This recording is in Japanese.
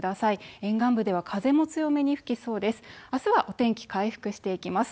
沿岸部では風も強めに吹きそうです。